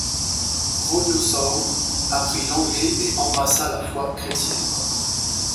Gronniosaw apprit l'anglais et embrassa la foi chrétienne.